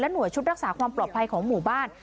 หน่วยชุดรักษาความปลอดภัยของหมู่บ้าน